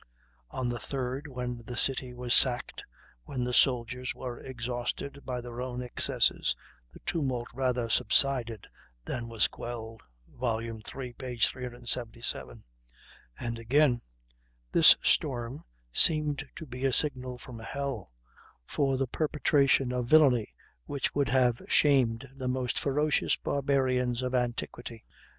On the third, when the city was sacked, when the soldiers were exhausted by their own excesses, the tumult rather subsided than was quelled." (Vol. iii, 377). And again: "This storm seemed to be a signal from hell for the perpetration of villainy which would have shamed the most ferocious barbarians of antiquity.